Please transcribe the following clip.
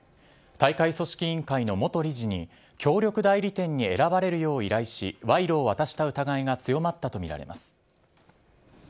大会組織委員会の元理事に、協力代理店に選ばれるよう依頼し、賄賂を渡した疑いが強まったと見られます。